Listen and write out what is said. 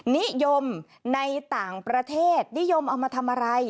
นิยมในต่างประเทศนิยมเอามาทำอะไร